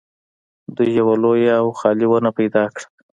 دوی یوه لویه او خالي ونه پیدا کړه